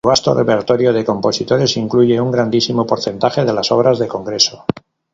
Su vasto repertorio de composiciones incluye un grandísimo porcentaje de las obras de Congreso.